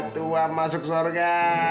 tua masuk sorga